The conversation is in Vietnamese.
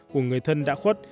của người thân đã khuất